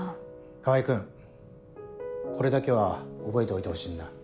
川合君これだけは覚えておいてほしいんだ。